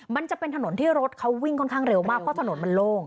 มันจะเป็นถนนที่รถเขาวิ่งค่อนข้างเร็วมากเพราะถนนมันโล่ง